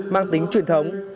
mang tính truyền thống